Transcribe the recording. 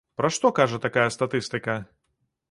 Пра што кажа такая статыстыка?